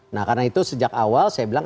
nah karena itu sejak awal saya bilang